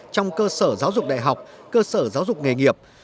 trong cơ sở giáo dục đại học cơ sở giáo dục nghề nghiệp